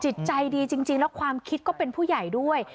จิตใจดีจริงแล้วความคิดก็เป็นผู้ใหญ่ด้วย